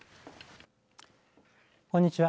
こんにちは。